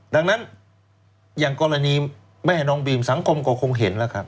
ดังนั้นอย่างกรณีแม่น้องบีมสังคมก็คงเห็นแล้วครับ